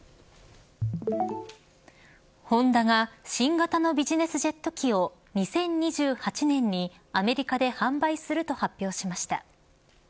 ホンダが新型のビジネスジェット機を２０２８年にアメリカで販売すると発表しました。